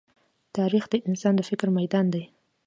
تاریخ د انسان د فکر ميدان دی.